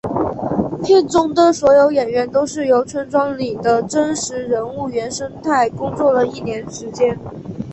片中的所有演员都是由村庄里的真实人物原生态工作了一年时间。